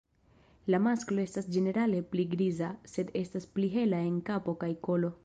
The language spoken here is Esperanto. La masklo estas ĝenerale pli griza, sed estas pli hela en kapo kaj kolo.